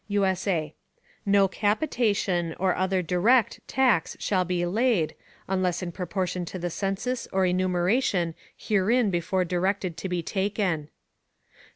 [USA] No Capitation, or other direct, Tax shall be laid, unless in Proportion to the Census or Enumeration herein before directed to be taken.